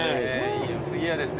次はですね。